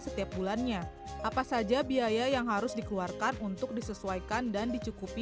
setiap bulannya apa saja biaya yang harus dikeluarkan untuk disesuaikan dan dicukupi